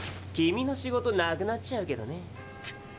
君の仕事なくなっちゃうけどね。